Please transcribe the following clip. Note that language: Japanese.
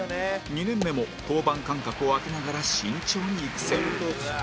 ２年目も登板間隔を空けながら慎重に育成